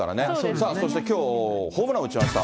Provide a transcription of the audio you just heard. さあ、そしてきょう、ホームラン打ちました